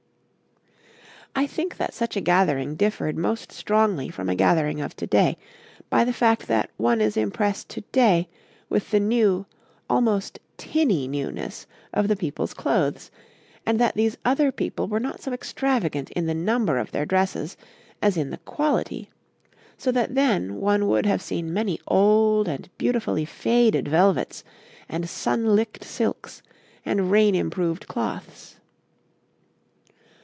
I think that such a gathering differed most strongly from a gathering of to day by the fact that one is impressed to day with the new, almost tinny newness, of the people's clothes, and that these other people were not so extravagant in the number of their dresses as in the quality, so that then one would have seen many old and beautifully faded velvets and sun licked silks and rain improved cloths.